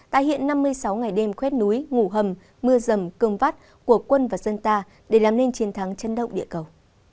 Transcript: tái hiện năm mươi sáu ngày đêm khuét núi ngủ hầm mưa rầm cương vắt của quân và dân ta để làm nên chiến thắng chân động địa cầu